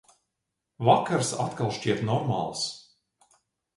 Vakars atkal šķiet normāls.